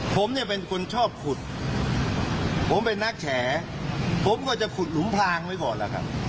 ผมเป็นนักแฉผมก็จะขุดหลุมพลางไว้ก่อนแล้วกัน